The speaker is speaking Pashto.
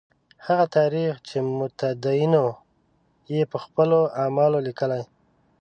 هغه تاریخ چې متدینو یې په خپلو اعمالو لیکلی.